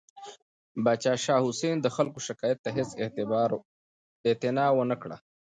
پاچا شاه حسین د خلکو شکایت ته هیڅ اعتنا ونه کړه.